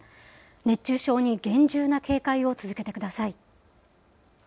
熱中症に厳重な警戒を続けてください。